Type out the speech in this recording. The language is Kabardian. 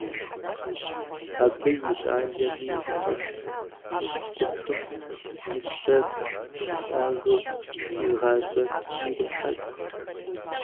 Абы и щӏалэми зыхэт гупым и пщӏэр щылъагэу и гъащӏэр ирехьэкӏ.